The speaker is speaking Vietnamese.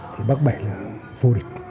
thì bác bảy là vô địch